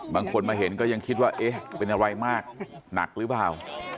บางคนมาเห็นก็ยังคิดว่าเอ๊ะเป็นอะไรมากหนักหรือเปล่า